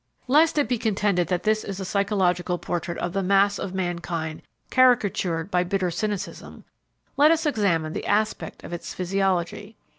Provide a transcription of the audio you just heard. Lest it be contended that this is a psychological portrait of the mass of mankind caricatured by bitter cynicism, let us examine the aspect of its physiology.